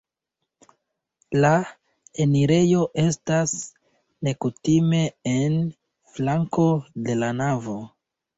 La enirejo estas nekutime en flanko de la navo.